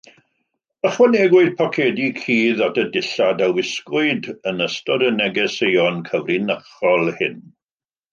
Ychwanegwyd pocedi cudd at y dillad a wisgwyd yn ystod y negeseuon cyfrinachol hyn.